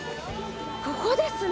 ここですね！